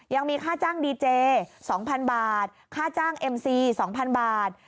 ยังมีค่าจ้างดีเจ๒๐๐๐บาทค่าจ้างเอ็มซี๒๐๐บาท